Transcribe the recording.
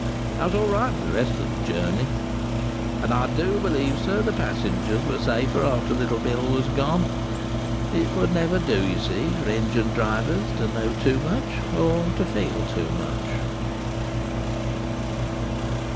"I was all right for the rest of the journey. And I do believe, sir, the passengers were safer after little Bill was gone. It would never do, you see, for engine drivers to know too much, or to feel too much."